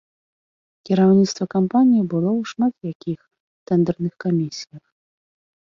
Кіраўніцтва кампаніі было ў шмат якіх тэндэрных камісіях.